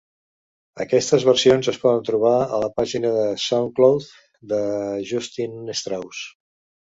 Aquestes versions es poden trobar a la pàgina de Soundcloud de Justin Strauss.